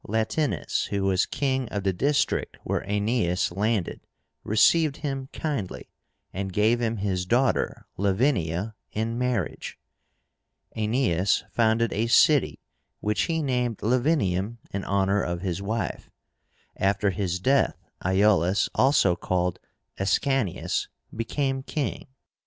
LATÍNUS, who was king of the district where Aenéas landed, received him kindly, and gave him his daughter, LAVINIA, in marriage. Aenéas founded a city, which he named LAVINIUM, in honor of his wife. After his death, Iúlus, also called ASCANIUS, became king.